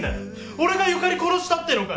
俺がユカリ殺したってのかよ！？